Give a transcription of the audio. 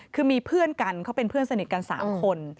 คือมีเพื่อนกันเขาเป็นเพื่อนสนิทกัน๓คน